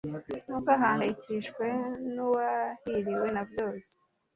ntugahangayikishwe n’uwahiriwe na byose